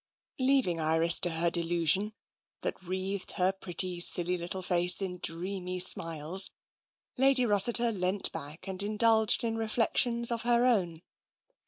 '' Leaving Iris to her delusion, that wreathed her pretty, silly little face in dreamy smiles. Lady Rossi ter leant back and indulged in reflections of her own.